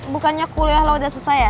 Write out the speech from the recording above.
bukannya kuliah lah udah selesai ya